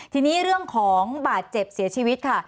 ทีนี้เรื่องของบาดเจ็บเสียชีวิตค่ะ